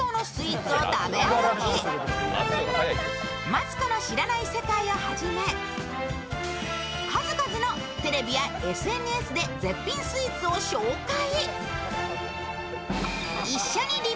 「マツコの知らない世界」をはじめ、数々のテレビやＳＮＳで絶品スイーツを紹介。